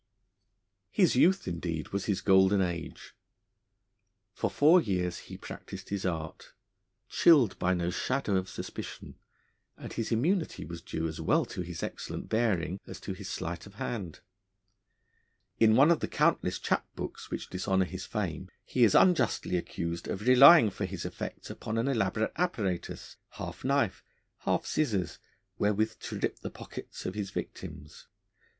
His youth, indeed, was his golden age. For four years he practised his art, chilled by no shadow of suspicion, and his immunity was due as well to his excellent bearing as to his sleight of hand. In one of the countless chap books which dishonour his fame, he is unjustly accused of relying for his effects upon an elaborate apparatus, half knife, half scissors, wherewith to rip the pockets of his victims.